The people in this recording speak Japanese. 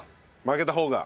負けた方が。